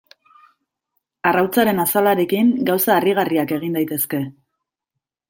Arrautzaren azalarekin gauza harrigarriak egin daitezke.